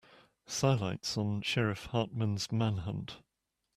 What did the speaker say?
Sidelights on Sheriff Hartman's manhunt.